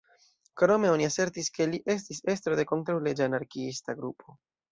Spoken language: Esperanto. Krome, oni asertis ke li estis estro de kontraŭleĝa anarkiista grupo.